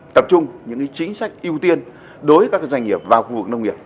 tập trung những chính sách ưu tiên đối với các doanh nghiệp vào khu vực nông nghiệp